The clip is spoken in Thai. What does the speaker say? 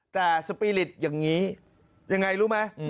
แต่สปีริตอย่างนี้ยังไงรู้ไหม